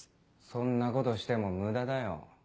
そんなことしても無駄だよ。